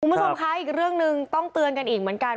คุณผู้ชมคะอีกเรื่องหนึ่งต้องเตือนกันอีกเหมือนกัน